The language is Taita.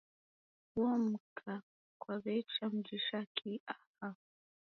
Uo mka kwaw'echa mujisha kii aha?